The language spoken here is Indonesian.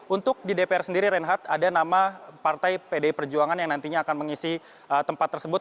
untuk di dpr sendiri reinhardt ada nama partai pdi perjuangan yang nantinya akan mengisi tempat tersebut